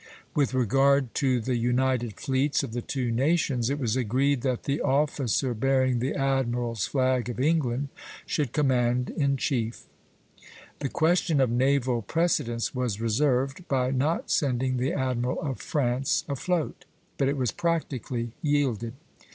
With regard to the united fleets of the two nations, it was agreed that the officer bearing the admiral's flag of England should command in chief. The question of naval precedence was reserved, by not sending the admiral of France afloat; but it was practically yielded.